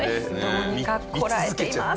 どうにかこらえています。